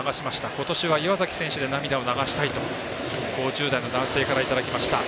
今年は岩崎選手で涙を流したいと５０代の男性からいただきました。